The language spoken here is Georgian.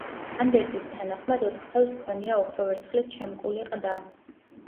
ანდერძის თანახმად, ოთხთავს ჰქონია ოქრო-ვერცხლით შემკული ყდა.